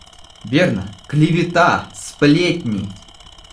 Верно, клевета, сплетни.